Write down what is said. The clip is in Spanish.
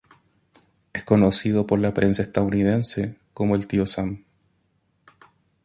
Es conocido por la prensa estadounidense como el "Tío Sam".